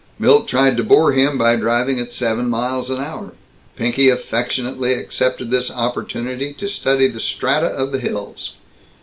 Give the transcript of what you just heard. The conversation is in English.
Milt tried to bore him by driving at seven miles an hour. Pinky affectionately accepted this opportunity to study the strata of the hills.